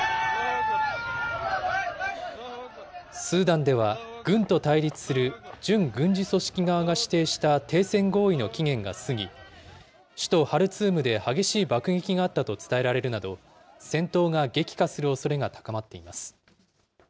スーダンでは軍と対立する準軍事組織側が指定した停戦合意の期限が過ぎ、首都ハルツームで激しい爆撃があったと伝えられるなど、戦闘が激化するおそれが高まっています。